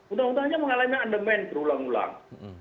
undang undangnya mengalami ademen berulang ulang